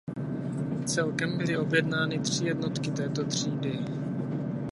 Celkem byly objednány tři jednotky této třídy.